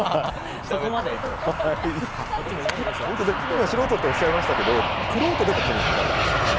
今、素人っておっしゃいましたけど玄人でも多分、分からないです。